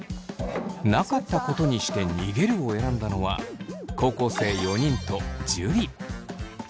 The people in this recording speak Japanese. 「なかったことにして逃げる」を選んだのは高校生４人と樹。